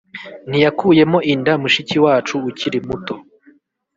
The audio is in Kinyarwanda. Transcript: Ntiyakuyemo inda mushiki wacu ukiri muto